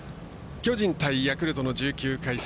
巨人対ヤクルトの１９回戦。